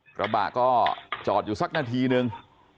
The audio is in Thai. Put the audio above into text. กระบะก็จอดอยู่สักนาทีนึง